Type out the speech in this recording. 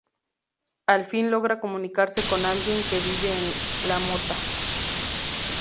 Al fin logra comunicarse con alguien que vive en la mota.